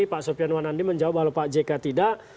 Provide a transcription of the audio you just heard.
pak sofian wanandi menjawab kalau pak jk tidak